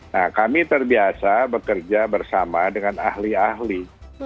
nah kami terbiasa bekerja bersama dengan ahli ahli